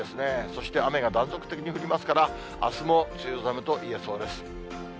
そして雨が断続的に降りますから、あすも梅雨寒といえそうです。